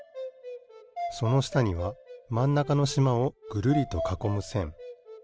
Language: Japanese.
そのしたにはまんなかのしまをぐるりとかこむせん。